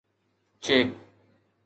check